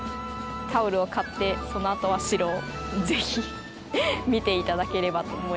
タオルを買ってそのあとは城を是非見て頂ければと思います。